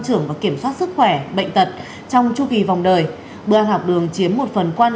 trưởng và kiểm soát sức khỏe bệnh tật trong chu kỳ vòng đời bữa ăn học đường chiếm một phần quan